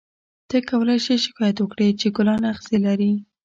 ته کولای شې شکایت وکړې چې ګلان اغزي لري.